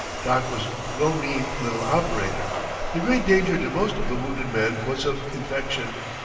Doc was no mean little operator. The great danger to most of the wounded men was of infection.